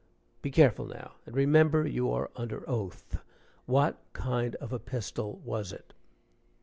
"Be careful now, and remember you are under oath. What kind of a pistol was it?"